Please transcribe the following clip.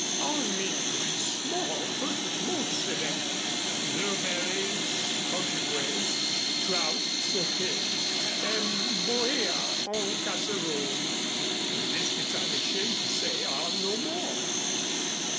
Our menu is small but most select blueberries Ojibway, trout sauté, and Bohea en casserole. The biscuits, I'm ashamed to say, are no more."